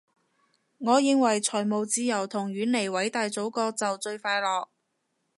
我認為財務自由同遠離偉大祖國就最快樂